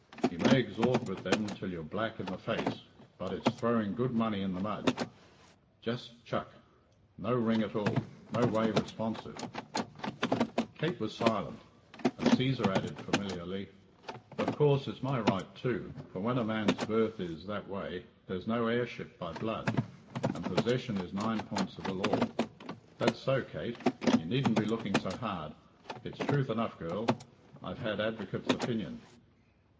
You may exhort with them till you're black in the face, but it's throwing good money in the mud. Just chuck! No ring at all; no way responsive!" Kate was silent, and Cæsar added familiarly, "Of course, it's my right too, for when a man's birth is that way, there's no heirship by blood, and possession is nine points of the law. That's so, Kate. You needn't be looking so hard. It's truth enough, girl. I've had advocate's opinion."